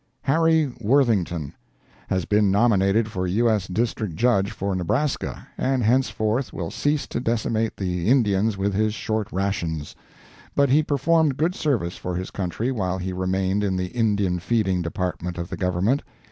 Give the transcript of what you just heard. Harry Worthington Has been nominated for U. S. District Judge for Nebraska, and henceforth will cease to decimate the Indians with his short rations. But he performed good service for his country while he remained in the Indian feeding department of the Government.